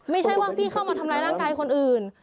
ไม่ใช่ว่าพี่เข้ามาทำร้ายร่างกายคนอื่น